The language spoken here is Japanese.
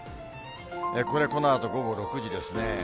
これ、このあと午後６時ですね。